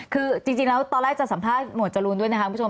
คือจริงแล้วตอนแรกจะสัมภาษณ์หมวดจรูนด้วยนะคะคุณผู้ชม